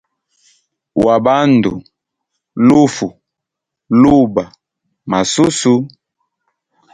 Wa bandu, lufu, luba, masusu.